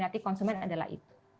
diminati konsumen adalah itu